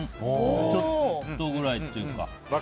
ちょっとくらいっていうか。